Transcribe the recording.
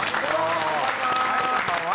こんばんは。